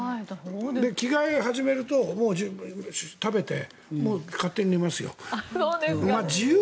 着替えを始めると、食べてもう勝手に寝ますよ。